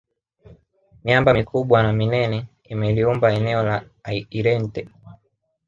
miamba mikubwa na minene imeliumba eneo la irente